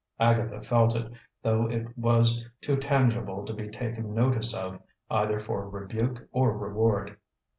Agatha felt it, though it was too intangible to be taken notice of, either for rebuke or reward.